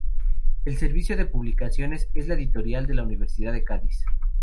El Servicio de Publicaciones es la editorial de la Universidad de Cádiz.